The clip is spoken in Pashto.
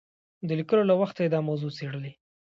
د لیکلو له وخته یې دا موضوع څېړلې.